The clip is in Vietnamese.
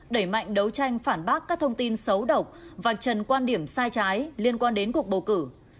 đẩy mạnh đấu tranh phản bác các thông tin xấu độc và trần quan điểm sai trái liên quan đến cuộc bầu cử